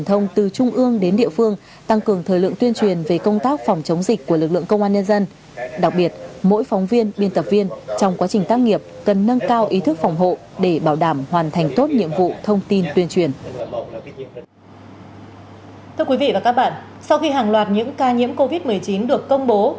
thưa quý vị và các bạn sau khi hàng loạt những ca nhiễm covid một mươi chín được công bố